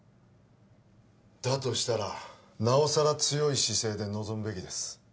だとしたらなおさら強い姿勢で臨むべきです